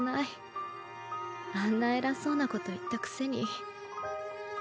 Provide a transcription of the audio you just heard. あんな偉そうなこと言ったくせに。